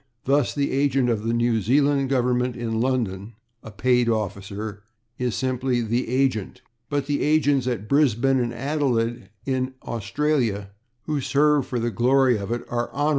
Thus, the agent of the New Zealand [Pg121] government in London, a paid officer, is simply the /agent/, but the agents at Brisbane and Adelaide, in Australia, who serve for the glory of it, are /hon.